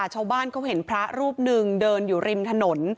ชาวบ้านเขาเห็นพระรูปหนึ่งเดินอยู่ริมถนน